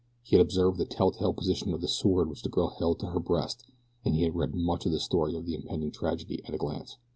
He had observed the telltale position of the sword which the girl held to her breast and he had read much of the story of the impending tragedy at a glance.